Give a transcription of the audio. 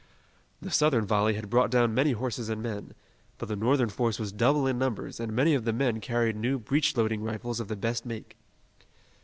The Southern volley had brought down many horses and men, but the Northern force was double in numbers and many of the men carried new breech loading rifles of the best make.